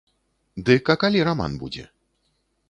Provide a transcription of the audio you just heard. Дык а калі раман будзе?